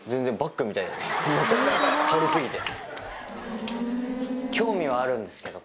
軽過ぎて。